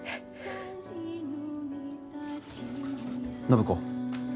暢子。